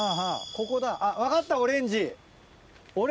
ここだあっ分かったオレンジ。